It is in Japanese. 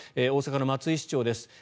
大阪の松井市長です。